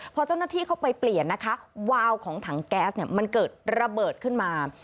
พอเจ้าหน้าที่เข้าไปเปลี่ยนนะคะวาวของถังแก๊สเนี่ยมันเกิดระเบิดขึ้นมา